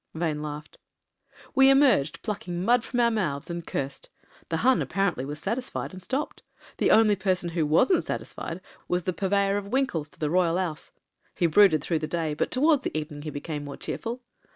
Vane laughed. "We emerged, plucking mud from our mouths, and cursed. The Hun apparently was satisfied and stopped. The only person who wasn't satisfied was the purveyor of winkles to the Royal 268 MEN, WOMEN AND GUNS 'Ouse. He brooded through the day, but towards the evening he became more cheerful.